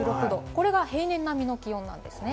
これが平年並みの気温なんですね。